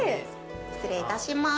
失礼いたします